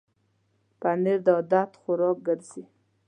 پنېر د عادت خوراک ګرځي.